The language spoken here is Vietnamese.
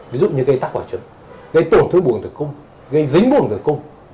ví dụ như gây tắc hỏa chứng gây tổn thức buồn thực cung gây dính buồn thực cung